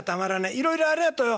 いろいろありがとよ。